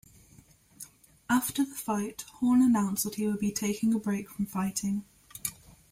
After the fight, Horn announced that he would be taking a break from fighting.